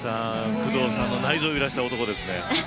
工藤さんの内臓を揺らした男ですね。